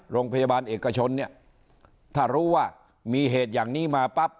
โรงพยาบาลเอกชนเนี่ยถ้ารู้ว่ามีเหตุอย่างนี้มาปั๊บ